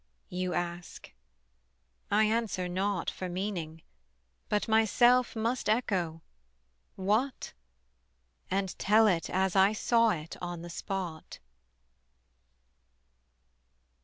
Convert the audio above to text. you ask. I answer not For meaning, but myself must echo, What? And tell it as I saw it on the spot.